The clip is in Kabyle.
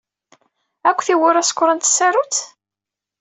Akk tiwwura sekṛent s tsarut?